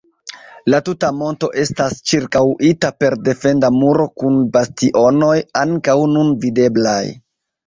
La tuta monto estas ĉirkaŭita per defenda muro kun bastionoj, ankaŭ nun videblaj.